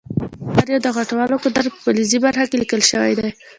د هر یو د غټولو قدرت په فلزي برخه کې لیکل شوی دی.